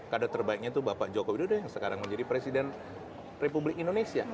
kader terbaiknya itu bapak joko widodo yang sekarang menjadi presiden republik indonesia